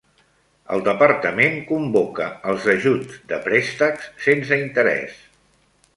El departament convoca els ajusts de préstecs sense interès.